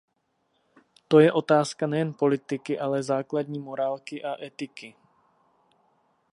To je otázka nejen politiky, ale základní morálky a etiky.